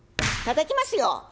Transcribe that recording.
たたきますよ。